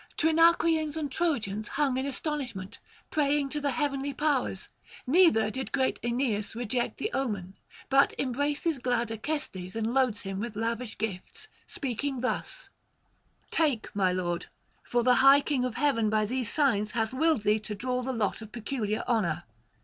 Trinacrians and Trojans hung in astonishment, praying to the heavenly powers; neither did great Aeneas reject the omen, but embraces glad Acestes and loads him with lavish gifts, speaking thus: 'Take, my lord: for the high King of heaven by these signs hath willed thee to draw the lot of peculiar honour.